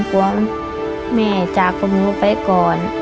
กลัวว่าแม่จากพวกนู้นไปก่อน